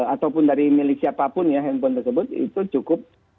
ataupun dari milik siapapun ya handphone tersebut itu cukup